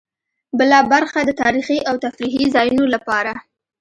بله برخه د تاريخي او تفريحي ځایونو لپاره.